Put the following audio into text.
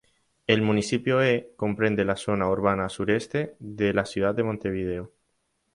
El municipio E comprende la zona urbana sureste de la ciudad de Montevideo.